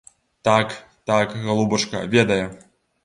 Так, так, галубачка, ведае.